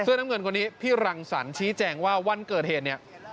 น้ำเงินคนนี้พี่รังสรรค์ชี้แจงว่าวันเกิดเหตุเนี่ย